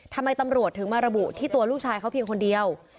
ทำไมตำรวจถึงมาระบุที่ตัวลูกชายเขาเพียงคนเดียว